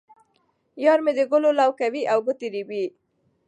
یار مې د ګلو لو کوي او ګوتې رېبي.